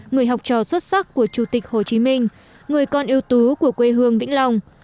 người học trò xuất sắc của chủ tịch hồ chí minh người con yêu tú của quê hương vĩnh long